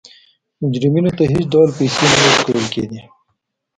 مجرمینو ته هېڅ ډول پیسې نه ورکول کېده.